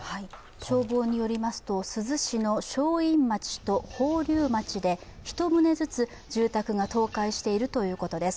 消防によりますと珠洲市の正院町と宝立町で１棟ずつ住宅が倒壊しているということです。